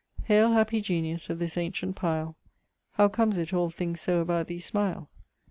Haile, happy genius of this ancient pile, How comes it all things so about thee smile?